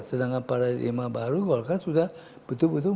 sedangkan paradigma baru golkar sudah betul betul